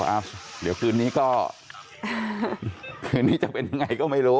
อันนี้จะเป็นอย่างไรก็ไม่รู้